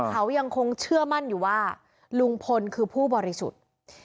เขายังคงเชื่อมั่นอยู่ว่าลุงพลคือผู้บริสุทธิ์